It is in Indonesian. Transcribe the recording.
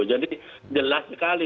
jadi jelas sekali